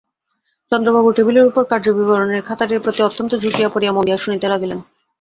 চন্দ্রবাবু টেবিলের উপর কার্যবিবরণের খাতাটির প্রতি অত্যন্ত ঝুঁকিয়া পড়িয়া মন দিয়া শুনিতে লাগিলেন।